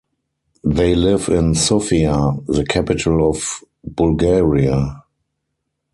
They live in Sofia, the capital of Bulgaria.